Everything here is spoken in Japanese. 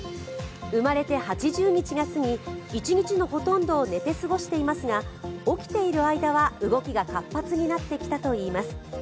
生まれてから８０日がすぎ、一日のほとんどを寝て過ごしていますが、起きている間は動きが活発になってきたといいます。